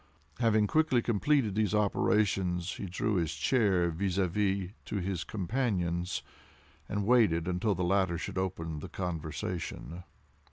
Having quickly completed these operations, he drew his chair vis à vis to his companion's, and waited until the latter should open the conversation.